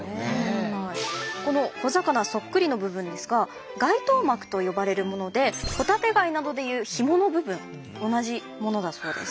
この小魚そっくりの部分ですが外とう膜と呼ばれるものでホタテ貝などでいうヒモの部分同じものだそうです。